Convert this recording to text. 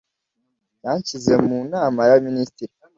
Yanshyize mu Nama yAbaminisitiri